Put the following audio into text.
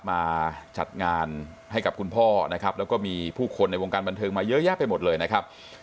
มาจัดงานให้กับคุณพ่อนะครับแล้วก็มีผู้คนในวงการบันเทิงมาเยอะแยะไปหมดเลยนะครับ